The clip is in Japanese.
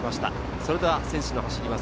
それでは選手の走ります